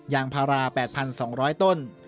ยางพารา๘๒๐๐ต้น